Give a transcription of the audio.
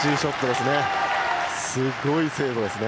すごい精度ですね。